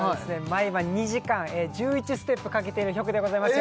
毎晩２時間１１ステップかけてるヒョクでございます